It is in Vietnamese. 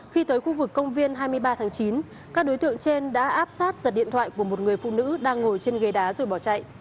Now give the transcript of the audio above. khi tới khu vực công viên hai mươi ba tháng chín các đối tượng trên đã áp sát giật điện thoại của một người phụ nữ đang ngồi trên ghế đá rồi bỏ chạy